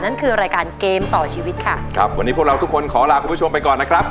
นั่นคือรายการเกมต่อชีวิตค่ะครับวันนี้พวกเราทุกคนขอลาคุณผู้ชมไปก่อนนะครับ